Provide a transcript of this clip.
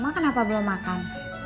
emak kenapa belum makan